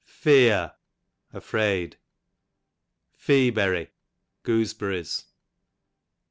Feear, afraid. Feaberry, gooseberries.